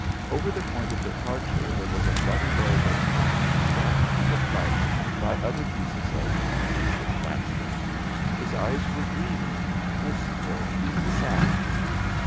Over the point of departure there was a bloody bulb of cotton strapped to the flesh by other pieces of adhesive plaster. His eyes were dreamy, wistful, sad.